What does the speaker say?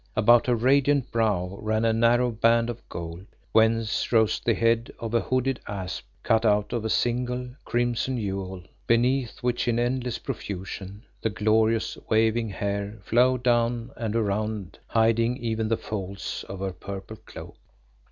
About her radiant brow ran a narrow band of gold, whence rose the head of a hooded asp cut out of a single, crimson jewel, beneath which in endless profusion the glorious waving hair flowed down and around, hiding even the folds of her purple cloak.